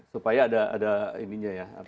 supaya ada ininya ya